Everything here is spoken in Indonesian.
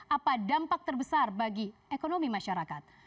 apa dampak terbesar bagi ekonomi masyarakat